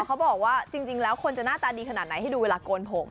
เขาบอกว่าจริงแล้วคนจะหน้าตาดีขนาดไหนให้ดูเวลาโกนผม